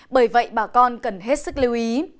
bởi vậy bà con cần hết sức lưu ý